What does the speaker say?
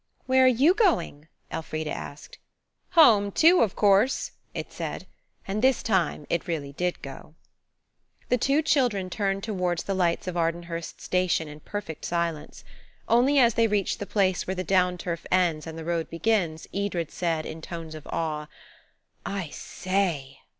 "Where are you going?" Elfrida asked. "Home too, of course," it said, and this time it really did go. The two children turned towards the lights of Ardenhurst Station in perfect silence. Only as they reached the place where the down turf ends and the road begins Edred said, in tones of awe, "I say!"